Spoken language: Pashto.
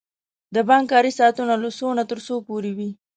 د بانک کاری ساعتونه له څو نه تر څو پوری وی؟